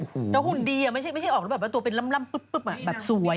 แล้วหุ่นดีไม่ใช่ออกแล้วแบบว่าตัวเป็นล่ำปุ๊บแบบสวย